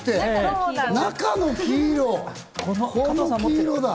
中の黄色。